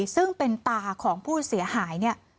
ซึ่งเป็นตาของผู้เสียหายเนี่ย